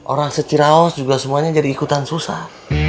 orang seciraos juga semuanya jadi ikutan susah